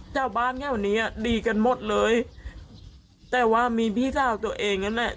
เจ้าบ้านแถวนี้อ่ะดีกันหมดเลยแต่ว่ามีพี่สาวตัวเองนั่นแหละ